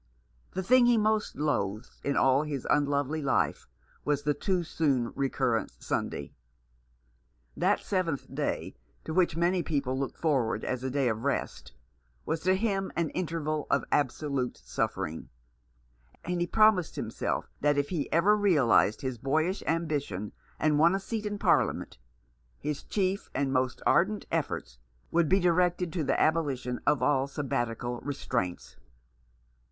The thing he most loathed in all his unlovely life was the too soon recurrent Sunday. That seventh day to which many people look forward as a day of rest was to him an interval of absolute suffering ; and he promised himself that if he ever realized his boyish ambition and won a seat in Parliament, his chief and most ardent efforts would be directed to the abolition of all Sabbatical restraints.